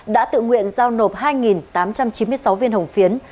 đã tự nguyện giao nộp hai tám trăm chín mươi sáu viên hồng phiến